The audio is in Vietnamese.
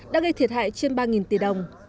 đã gây thiệt hại trên ba tỷ đồng